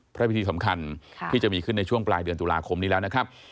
พระพิธีสำคัญที่จะมีขึ้นในช่วงปลายเดือนตุลาคมนี้แล้วนะครับ